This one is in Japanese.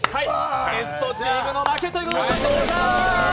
ゲストチームの負けということになります。